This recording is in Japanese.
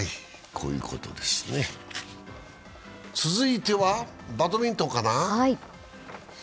続いては、バドミントンかな。